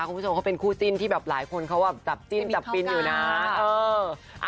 คุณผู้ชมเขาเป็นคู่จิ้นที่แบบหลายคนเขาแบบจับจิ้นจับฟินอยู่นะ